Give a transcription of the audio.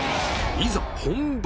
いざ本番。